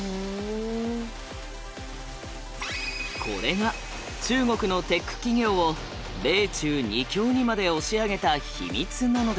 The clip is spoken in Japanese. これが中国のテック企業を米中２強にまで押し上げた秘密なのです。